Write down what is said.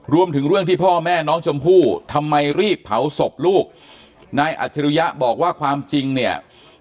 รวมถึงเรื่องที่พ่อแม่น้องชมพู่ทำไมรีบเผาศพลูกนายอัจฉริยะบอกว่าความจริงเนี่ย